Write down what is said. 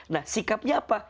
nah sikapnya apa